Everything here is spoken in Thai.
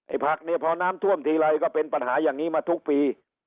ผักเนี่ยพอน้ำท่วมทีไรก็เป็นปัญหาอย่างนี้มาทุกปี